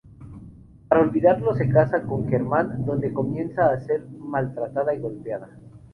Para olvidarlo se casa con Germán, donde comienza a ser maltratada y golpeada.